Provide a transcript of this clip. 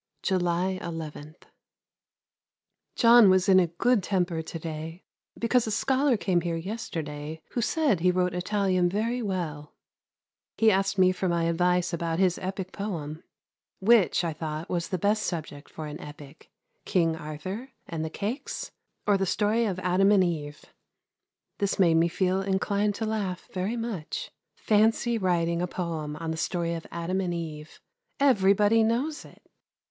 July 11. John was in good temper to day, because a scholar came here yesterday who said he wrote Italian very well. He asked me for my advice about his epick poem which I thought was the best subject for an epick, King Arthur and the Cakes or the story of Adam and Eve. This made me feel inclined to laugh very much. Fancy writing a poem on the story of Adam and Eve! Everybody knows it!